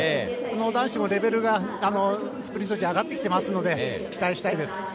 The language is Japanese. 男子もレベルがスプリント陣は上がってきているので期待したいです。